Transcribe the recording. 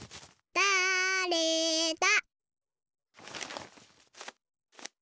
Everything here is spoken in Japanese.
だれだ？